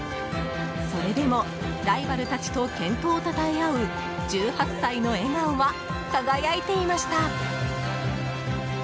それでも、ライバルたちと健闘をたたえ合う１８歳の笑顔は輝いていました。